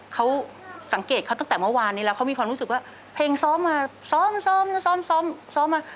เขาสังเกตเขาตั้งแต่เมื่อวานนี้แล้วเขามีความรู้สึกว่าเพลงซ้อมมาซ้อมซ้อมแล้วซ้อมซ้อมซ้อมมา